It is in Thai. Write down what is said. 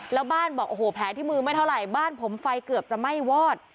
แล้วบ้านบอกโอ้โหแผลที่มือไม่เท่าไหร่บ้านผมไฟเกือบจะไหม้วอด